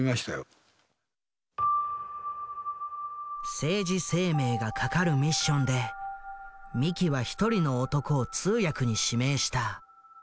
政治生命が懸かるミッションで三木は１人の男を通訳に指名した。